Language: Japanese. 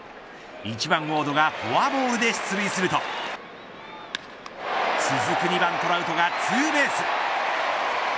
１番ウォードがフォアボールで出塁すると続く２番トラウトがツーベース。